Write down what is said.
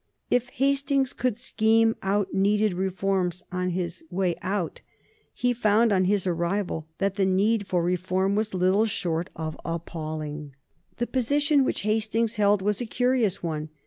If Hastings could scheme out needed reforms on his way out, he found on his arrival that the need for reform was little short of appalling. The position which Hastings held was a curious one.